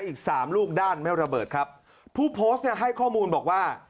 อีกสามลูกด้านไม่ระเบิดครับผู้โพสต์เนี่ยให้ข้อมูลบอกว่า